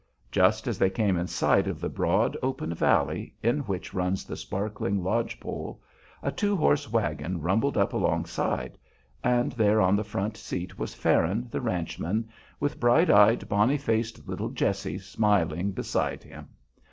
Just as they came in sight of the broad, open valley in which runs the sparkling Lodge Pole, a two horse wagon rumbled up alongside, and there on the front seat was Farron, the ranchman, with bright eyed, bonny faced little Jessie smiling beside him.